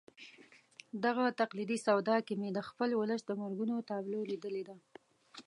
دغه تقلیدي سودا کې مې د خپل ولس د مرګونو تابلو لیدلې ده.